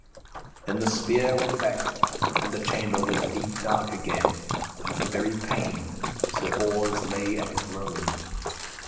Then the spear went back and the chamber was deep dark again, and for very pain Sir Bors lay and groaned.